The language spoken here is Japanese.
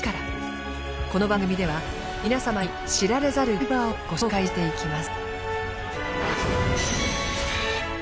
この番組では皆様に知られざるガリバーをご紹介していきます。